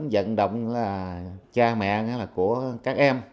dẫn động cha mẹ của các em